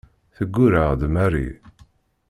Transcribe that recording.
Teggurreɛ-d Mary.